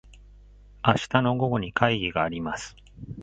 明日の午後に会議があります。